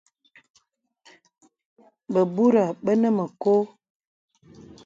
Bəbūrə bə nə mə kɔ̄.